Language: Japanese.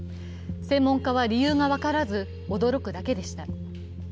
専門家は、理由が分からず驚くだけでした。